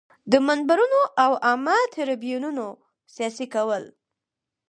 د منبرونو او عامه تریبیونونو سیاسي کول.